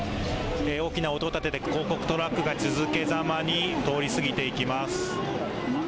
大きな音を立てて広告トラックが続けざまに通り過ぎていきます。